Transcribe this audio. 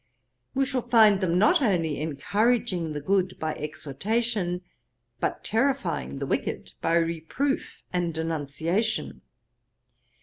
We shall find them not only encouraging the good by exhortation, but terrifying the wicked by reproof and denunciation.